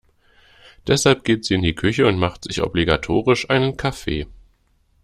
Deshalb geht sie in die Küche und macht sich obligatorisch einen Kaffee.